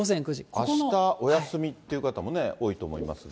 あしたお休みって方も、多いと思いますが。